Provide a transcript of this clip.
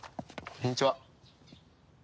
こんにちは。